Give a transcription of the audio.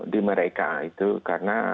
di mereka karena